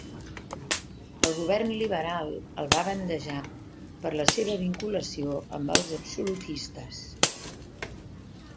El govern liberal el va bandejar per la seva vinculació amb els absolutistes.